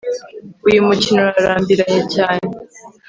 uyumukino urarambiranye cyane